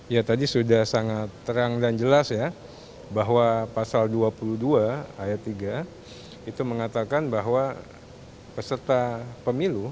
ya tadi sudah sangat terang dan jelas ya bahwa pasal dua puluh dua ayat tiga itu mengatakan bahwa peserta pemilu